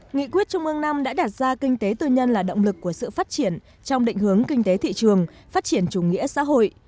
nghị quyết trung ương năm đã đạt ra kinh tế tư nhân là động lực của sự phát triển trong định hướng kinh tế thị trường phát triển chủ nghĩa xã hội